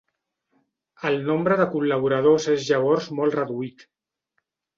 El nombre de col·laboradors és llavors molt reduït.